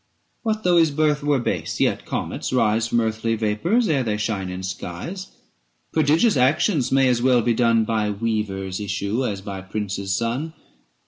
635 What though his birth were base, yet comets rise From earthy vapours, ere they shine in skies. Prodigious actions may as well be done By weaver's issue as by prince's son.